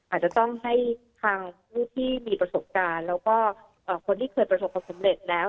อาจจะต้องให้ทางผู้ที่มีประสบการณ์แล้วก็คนที่เคยประสบความสำเร็จแล้ว